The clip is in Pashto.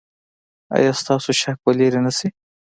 ایا ستاسو شک به لرې نه شي؟